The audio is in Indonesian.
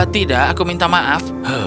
tidak aku minta maaf